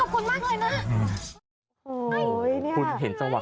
ขอบคุณมากต่อครับ